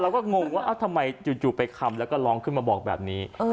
งงว่าทำไมจู่ไปคำแล้วก็ร้องขึ้นมาบอกแบบนี้